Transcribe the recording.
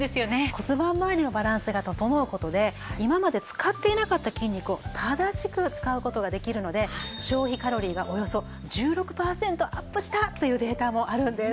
骨盤まわりのバランスが整う事で今まで使っていなかった筋肉を正しく使う事ができるので消費カロリーがおよそ１６パーセントアップしたというデータもあるんです。